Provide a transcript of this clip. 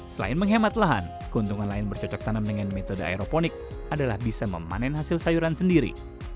selain menghemat lahan keuntungan lain bercocok tanam dengan metode aeroponik adalah bisa memanen hasil sayuran sendiri